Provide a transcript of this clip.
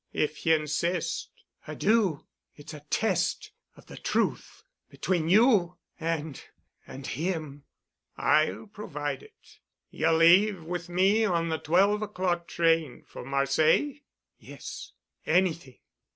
If ye insist——" "I do. It's a test—of the truth—between you and—and him——" "I'll provide it. Ye'll leave with me on the twelve o'clock train for Marseilles?" "Yes—anything."